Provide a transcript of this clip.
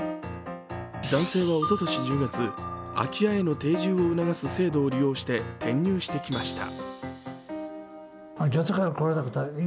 男性はおととい１０月、空き家への定住を促す制度を利用して転入してきました。